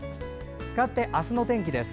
かわって、明日の天気です。